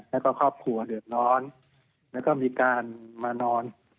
แล้วก็ครอบครัวเดือดร้อนแล้วก็มีการมานอน